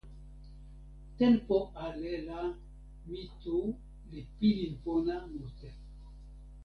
tenpo ale la mi tu li pilin pona mute.